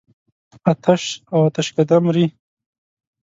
آتش او آتشکده مري.